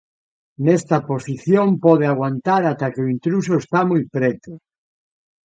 Nesta posición pode aguantar ata que o intruso está moi preto.